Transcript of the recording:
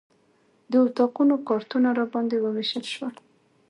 د اتاقونو کارتونه راباندې وویشل شول.